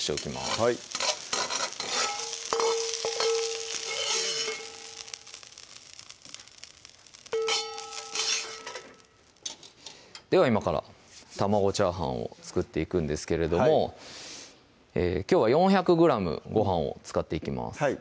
はいでは今から卵炒飯を作っていくんですけれどもきょうは４００ｇご飯を使っていきます